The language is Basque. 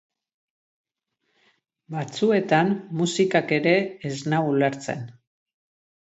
Batzuetan musikak ere ez nau ulertzen.